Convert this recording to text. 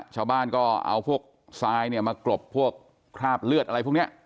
ชาวบ้านก็เอาพวกทรายเนี่ยมากรบพวกคราบเลือดอะไรพวกนี้